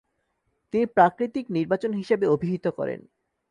তিনি প্রাকৃতিক নির্বাচন হিসাবে অভিহিত করেন।